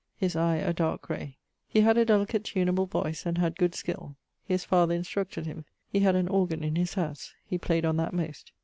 His eie a darke gray. He had a delicate tuneable voice, and had good skill. His father instructed him. He had an organ in his howse: he played on that most.